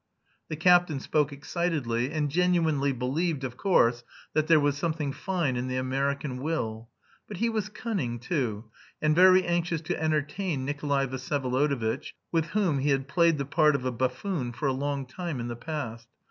The captain spoke excitedly, and genuinely believed, of course, that there was something fine in the American will, but he was cunning too, and very anxious to entertain Nikolay Vsyevolodovitch, with whom he had played the part of a buffoon for a long time in the past.